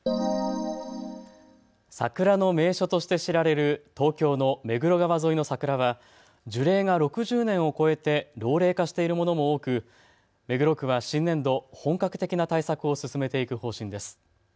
桜の名所として知られる東京の目黒川沿いの桜は樹齢が６０年を超えて老齢化しているものも多く目黒区は新年度、本格的な対策を進めていく方針です。